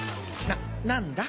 何だ？